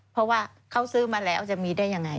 เพราะว่าเขาซื้อมาแล้วจะมีได้ยังไง